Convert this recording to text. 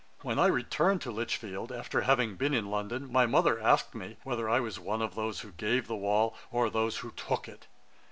When I returned to Lichfield, after having been in London, my mother asked me, whether I was one of those who gave the wall, or those who took it.